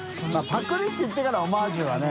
「パクリ」って言ってから「オマージュ」はね。